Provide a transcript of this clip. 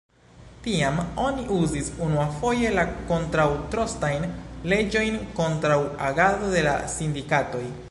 Tiam oni uzis unuafoje la kontraŭ-trostajn leĝojn kontraŭ agado de la sindikatoj.